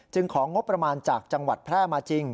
ของงบประมาณจากจังหวัดแพร่มาจริง